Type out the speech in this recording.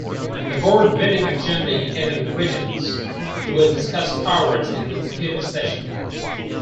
The Board meeting agenda indicated regents would discuss Powers in an executive session.